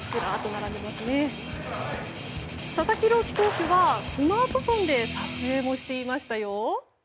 佐々木朗希投手はスマートフォンで撮影もしていましたよ。